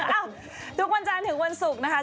เอ้าทุกวันจานถึงวันศุกร์นะคะ